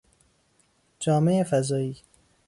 جامهی فضایی